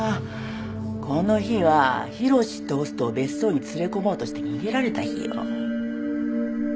この日はヒロシってホストを別荘に連れ込もうとして逃げられた日よ。